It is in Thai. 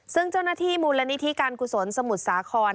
ซึ่งเจ้าหน้าที่มูลนิธิการกุศลสมุทรสาคร